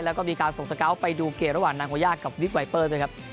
แล้วก็มีการส่งสเกาะไปดูแกล่งของนางโกย่ากับวิคไวเปอร์